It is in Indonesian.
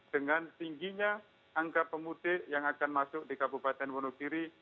dengan tingginya angka pemudik yang akan masuk di kabupaten wonogiri